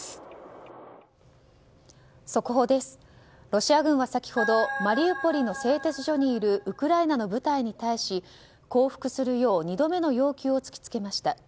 ロシア軍は先ほどマリウポリの製鉄所にいるウクライナの部隊に対し降伏するよう２度目の要求を突きつけました。